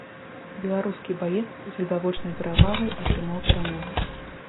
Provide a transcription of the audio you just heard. Беларускі баец з відавочнай перавагай атрымаў перамогу.